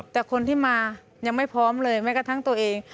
แต่คนที่มายังไม่พร้อมเลยแม้กระทั่งตัวเอง